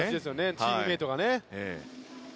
チームメートがね。